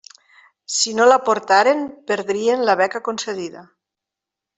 I si no l'aportaren, perdrien la beca concedida.